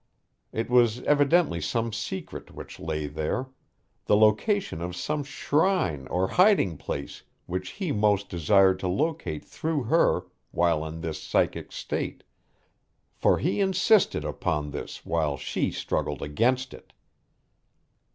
It was evidently some secret which lay there the location of some shrine or hiding place which he most desired to locate through her while in this psychic state, for he insisted upon this while she struggled against it.